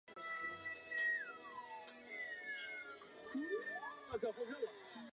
多花贝母兰为兰科贝母兰属下的一个种。